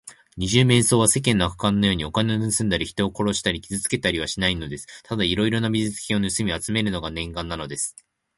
二十面相は、世間の悪漢のように、お金をぬすんだり、人を殺したり、傷つけたりはしないのです。ただいろいろな美術品をぬすみあつめるのが念願なのです。